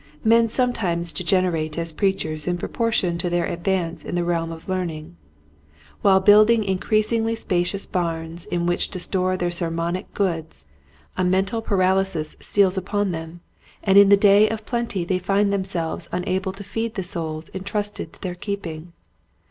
Men sometimes degenerate as preachers in proportion to their advance in the realm of learning. While building increasingly spacious barns in which to store their sermonic goods a mental paral ysis steals upon them, and in the day of plenty they find themselves unable to feed the souls entrusted to their keeping.